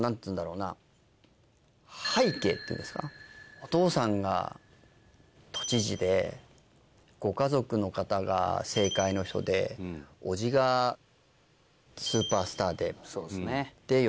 お父さんが都知事でご家族の方が政界の人で叔父がスーパースターでで良純さん。